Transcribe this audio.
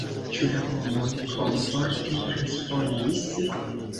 Ĉu la homoj komforte respondis?